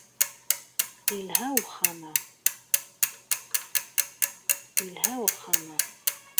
Yelha uxxam-a